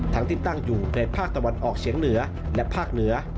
ทั้งที่ตั้งอยู่ในภาคตะวันออกเฉียงเหนือและภาคเหนือ